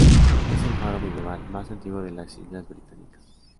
Es el faro medieval más antiguo de las islas británicas.